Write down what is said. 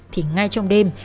thì ngay trong đêm